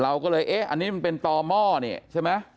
เราก็เลยเอ๊ะอันนี้มันเป็นต่อหม้อนี่ใช่ไหม